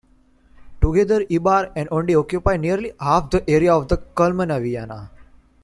Together, Ibar and Aunde occupy nearly half the area of Calmon Viana.